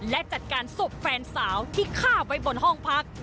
และจัดการศพแฟนสาวที่ฆ่าไว้บนห้องพัก